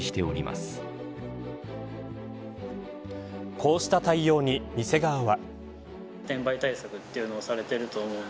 こうした対応に店側は。